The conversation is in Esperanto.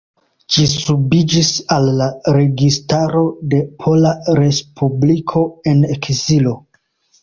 Ĝi subiĝis al la Registaro de Pola Respubliko en ekzilo.